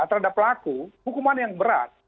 terhadap pelaku hukuman yang berat